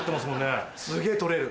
すげぇ取れる！